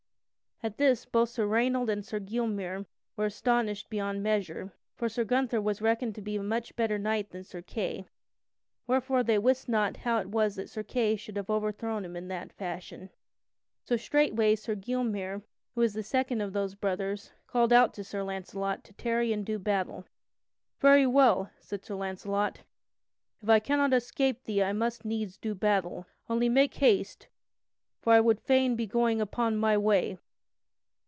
At this both Sir Raynold and Sir Gylmere were astonished beyond measure, for Sir Gunther was reckoned to be a much better knight than Sir Kay, wherefore they wist not how it was that Sir Kay should have overthrown him in that fashion. So straightway Sir Gylmere, who was the second of those brothers, called out to Sir Launcelot to tarry and do battle. "Very well," said Sir Launcelot, "if I cannot escape thee I must needs do battle. Only make haste, for I would fain be going upon my way."